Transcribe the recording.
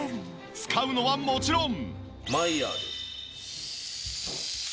使うのはもちろん。